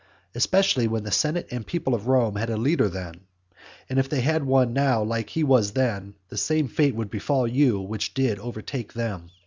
especially when the senate and people of Rome had a leader then; and if they had one now like he was then, the same fate would befall you which did overtake them.